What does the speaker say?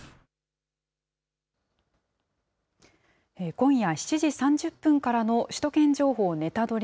今夜７時３０分からの首都圏情報ネタドリ！